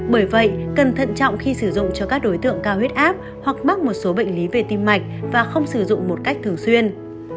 bởi vậy cần thận trọng khi sử dụng cho các đối tượng cao huyết áp hoặc mắc một số bệnh lý về tim mạch và không sử dụng một cách thường xuyên